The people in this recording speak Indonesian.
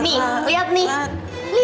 nih liat nih liat